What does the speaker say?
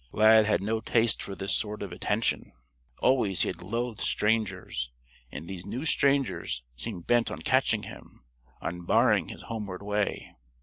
Lad had no taste for this sort of attention. Always he had loathed strangers, and these new strangers seemed bent on catching him on barring his homeward way.